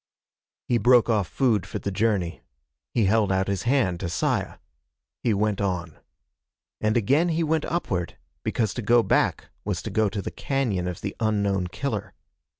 He broke off food for the journey. He held out his hand to Saya. He went on. And again he went upward because to go back was to go to the cañon of the unknown killer.